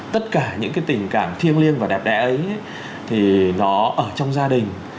tất cả những cái tình cảm thiêng liêng và đẹp đẽ ấy thì nó ở trong gia đình